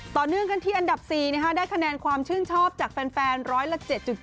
ต่อเนื่องกันที่อันดับ๔ได้คะแนนความชื่นชอบจากแฟนร้อยละ๗๗